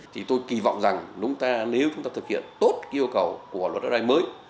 thì tôi kỳ vọng rằng nếu chúng ta thực hiện tốt yêu cầu của luật đất đai mới